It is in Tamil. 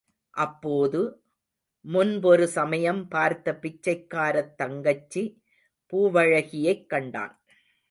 அப்போது, முன்பொரு சமயம் பார்த்த பிச்சைக்காரத் தங்கச்சி பூவழகியைக் கண்டான்.